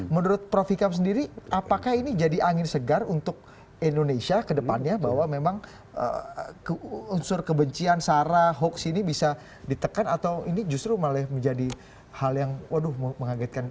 menurut prof ikam sendiri apakah ini jadi angin segar untuk indonesia kedepannya bahwa memang unsur kebencian sarah hoax ini bisa ditekan atau ini justru malah menjadi hal yang waduh mengagetkan